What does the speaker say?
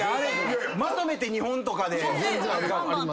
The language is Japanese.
まとめて２本とかで。